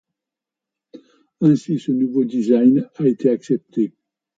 Ainsi ce nouveau design a été accepté.